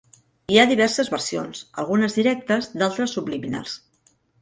Hi ha diverses versions, algunes directes, d’altres subliminars.